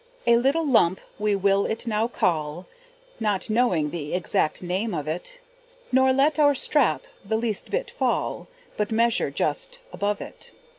A little lump we will it now call, Not knowing the exact name of it; Nor let our strap the least bit fall, But measure just above it.